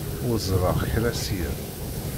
Ur ẓerreɣ kra ssya.